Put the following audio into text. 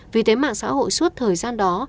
vì thế mạng xã hội suốt thời gian đó